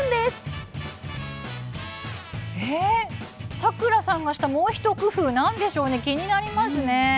さくらさんがしたもう一工夫なんでしょう、気になりますね。